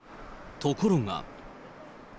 ところが。